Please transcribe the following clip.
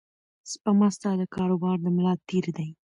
سپما ستا د کاروبار د ملا تیر دی.